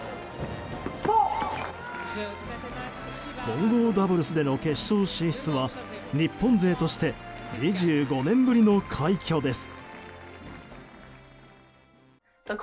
混合ダブルスでの決勝進出は日本勢として２５年ぶりの快挙です。